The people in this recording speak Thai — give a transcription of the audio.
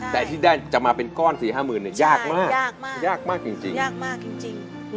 แต่ที่ได้จะมาเป็นก้อนสี่ห้าหมื่นเนี่ยยากมากยากมากยากมากจริงยากมากจริง